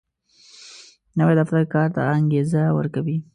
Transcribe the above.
نوی دفتر کار ته انګېزه ورکوي